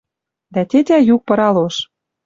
Дӓ тетя юк пыра лош.